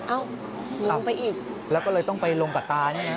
เอาไปอีกแล้วก็เลยต้องไปลงกับตาเนี่ยนะ